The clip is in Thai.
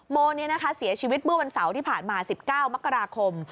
โมเสียชีวิตเมื่อวันเสาร์ที่ผ่านมา๑๙มกราคม